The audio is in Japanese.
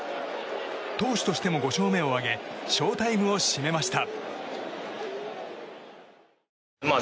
投手としても５勝目を挙げショウタイムを締めました。